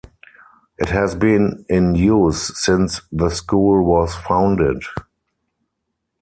It has been in use since the school was founded.